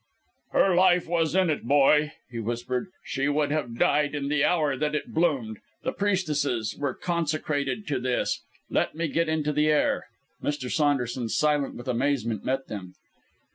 "Her life was in it, boy!" he whispered. "She would have died in the hour that it bloomed! The priestesses were consecrated to this.... Let me get into the air " Mr. Saunderson, silent with amazement, met them.